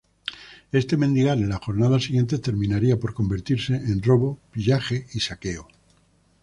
Este mendigar en las jornadas siguientes terminaría por convertirse en robo, pillaje y saqueo.